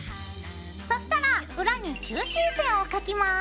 そしたら裏に中心線を描きます。